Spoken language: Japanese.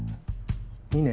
いいね？